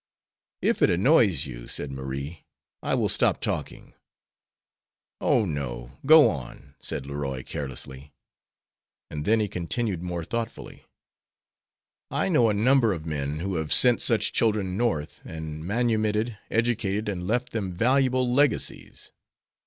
"If it annoys you," said Marie, "I will stop talking." "Oh, no, go on," said Leroy, carelessly; and then he continued more thoughtfully, "I know a number of men who have sent such children North, and manumitted, educated, and left them valuable legacies.